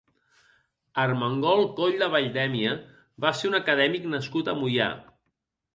Ermengol Coll de Valldemia va ser un acadèmic nascut a Moià.